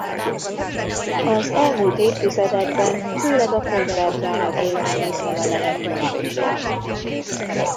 Az elmúlt évtizedekben főleg a konzervgyárak éltek ezzel a lehetőséggel.